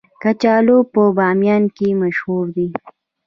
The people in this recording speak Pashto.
کچالو په بامیان کې مشهور دي